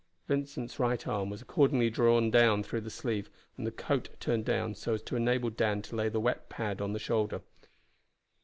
Vincent's right arm was accordingly drawn through the sleeve and the coat turned down so as to enable Dan to lay the wet pad on the shoulder.